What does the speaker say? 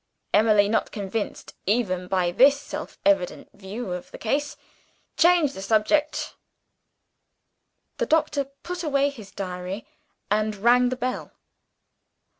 Emily not convinced, even by this self evident view of the case. Changed the subject." The doctor put away his diary, and rang the bell.